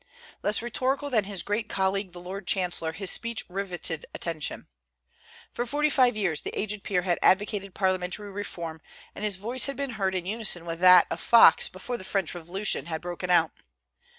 Less rhetorical than his great colleague the Lord Chancellor, his speech riveted attention. For forty five years the aged peer had advocated parliamentary reform, and his voice had been heard in unison with that of Fox before the French Revolution had broken out.